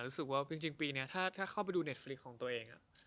รู้สึกว่าจริงปีนี้ถ้าเข้าไปดูเน็ตฟลิกของตัวเอง